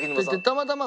たまたま。